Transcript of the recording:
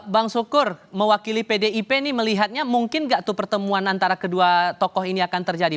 bang sukur mewakili pdip ini melihatnya mungkin gak tuh pertemuan antara kedua tokoh ini akan terjadi